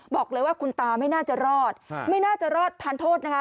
บอกเลยว่าคุณตาไม่น่าจะรอดไม่น่าจะรอดทานโทษนะคะ